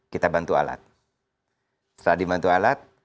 kita bantu alat